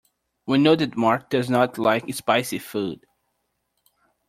We know that Mark does not like spicy food.